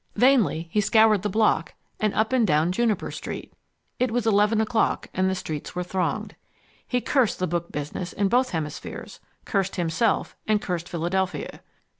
Vainly he scoured the block and up and down Juniper Street. It was eleven o'clock, and the streets were thronged. He cursed the book business in both hemispheres, cursed himself, and cursed Philadelphia.